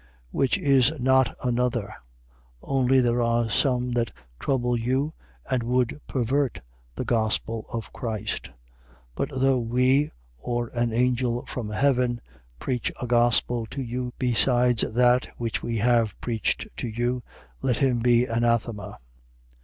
1:7. Which is not another: only there are some that trouble you and would pervert the gospel of Christ. 1:8. But though we, or an angel from heaven, preach a gospel to you besides that which we have preached to you, let him be anathema.